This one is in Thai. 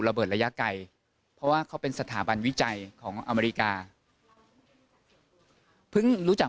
ระยะไกลเพราะว่าเขาเป็นสถาบันวิจัยของอเมริกาเพิ่งรู้จัก